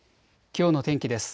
きょうの天気です。